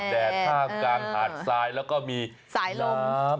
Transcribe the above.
เฉินเอือมภาพกลางหาดไซแล้วก็มีสายลม